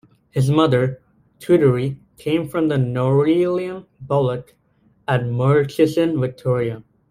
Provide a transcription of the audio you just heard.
His mother, Tooterrie, came from the Nourailum bulluk at Murchison, Victoria.